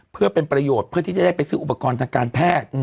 เพื่อเป็นประโยชน์เพื่อที่จะได้ไปซื้ออุปกรณ์ทางการแพทย์